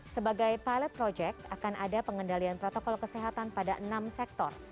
sebagai pilot project akan ada pengendalian protokol kesehatan pada enam sektor